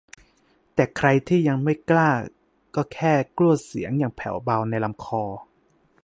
แต่ใครที่ยังไม่กล้าก็แค่กลั้วเสียงอย่างแผ่วเบาในลำคอ